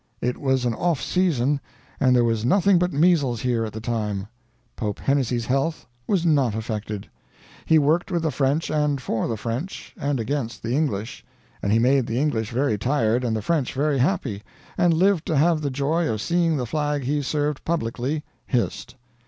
It was an off season and there was nothing but measles here at the time. Pope Hennessey's health was not affected. He worked with the French and for the French and against the English, and he made the English very tired and the French very happy, and lived to have the joy of seeing the flag he served publicly hissed.